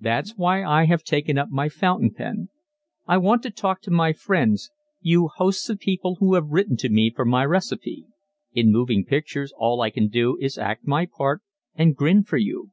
That's why I have taken up my fountain pen. I want to talk to my friends you hosts of people who have written to me for my recipe. In moving pictures all I can do is act my part and grin for you.